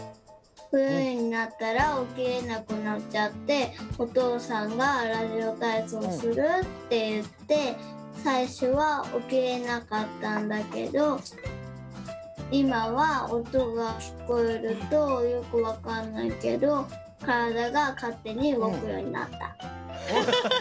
ふゆになったらおきれなくなっちゃっておとうさんがラジオたいそうする？っていってさいしょはおきれなかったんだけどいまはおとがきこえるとよくわかんないけどからだがかってにうごくようになった。